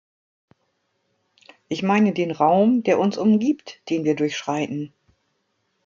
Ich meine den Raum, der uns umgibt, den wir durchschreiten.